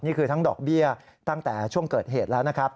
นี่คือทั้งดอกเบี้ยตั้งแต่ช่วงเกิดเหตุแล้วนะครับ